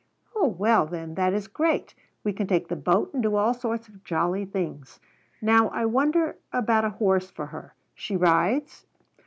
"Oh, well then, that is great. We can take the boat and do all sorts of jolly things. Now I wonder about a horse for her. She rides?"